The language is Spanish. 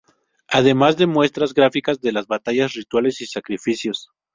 Además de muestras gráficas de las batallas rituales y sacrificios.